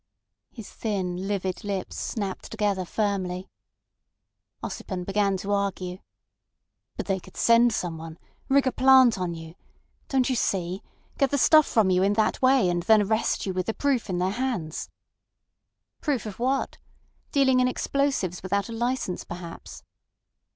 His thin livid lips snapped together firmly. Ossipon began to argue. "But they could send someone—rig a plant on you. Don't you see? Get the stuff from you in that way, and then arrest you with the proof in their hands." "Proof of what? Dealing in explosives without a licence perhaps."